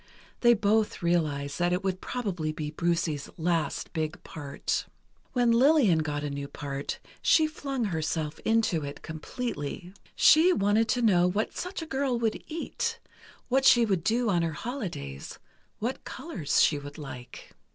They both realized that it would probably be Brucie's last big part. When Lillian got a new part, she flung herself into it completely. She wanted to know what such a girl would eat; what she would do on her holidays; what colors she would like.